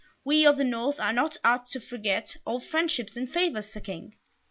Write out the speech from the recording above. We of the North are not apt to forget old friendships and favours, Sir King."